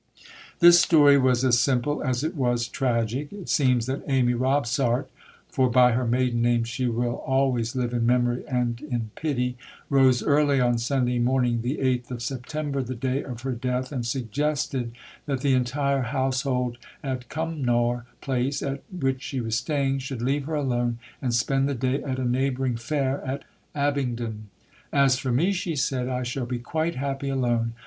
This story was as simple as it was tragic. It seems that Amy Robsart (for by her maiden name she will always live in memory and in pity) rose early on Sunday morning, the 8th of September, the day of her death, and suggested that the entire household at Cumnor Place, at which she was staying, should leave her alone and spend the day at a neighbouring fair at Abingdon. "As for me," she said, "I shall be quite happy alone.